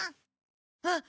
あっ！